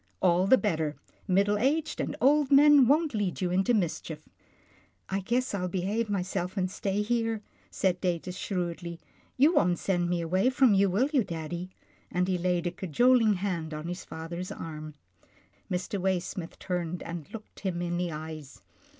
" All the better. Middle aged and old men won't lead you into mischief." " I guess I'll behave myself and stay here," said Datus shrewdly. " You won't send me away from you, will you, daddy," and he laid a cajoling hand on his father's arm. Mr. Waysmith turned and looked him in the eyes.